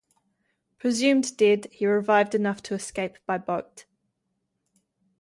Presumed dead, he revived enough to escape by boat.